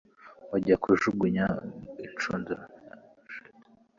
kujya kujugunya unishundura mu kiyaga.